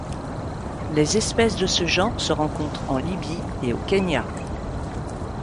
Les espèces de ce genre se rencontrent en Libye et au Kenya.